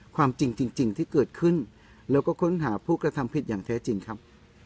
ความจริงจริงที่เกิดขึ้นแล้วก็ค้นหาผู้กระทำผิดอย่างแท้จริงครับ